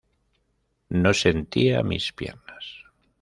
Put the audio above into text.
No sentía mis piernas.